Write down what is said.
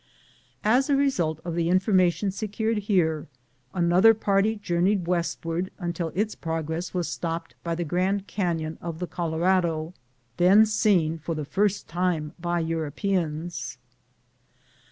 As a result of the information secured here, another party journeyed westward until its progress was stopped by the Grand Carton of the Colorado, then seen for the first time by Europeans.